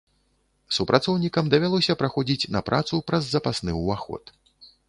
Супрацоўнікам давялося праходзіць на працу праз запасны ўваход.